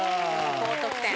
高得点。